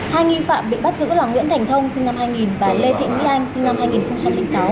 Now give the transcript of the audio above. hai nghi phạm bị bắt giữ là nguyễn thành thông sinh năm hai nghìn và lê thị mỹ anh sinh năm hai nghìn sáu